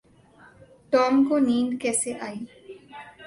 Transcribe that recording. Tom کو نیند کیسی ائی؟